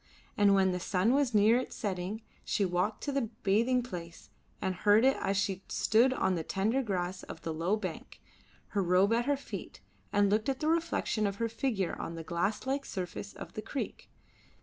And when the sun was near its setting she walked to the bathing place and heard it as she stood on the tender grass of the low bank, her robe at her feet, and looked at the reflection of her figure on the glass like surface of the creek.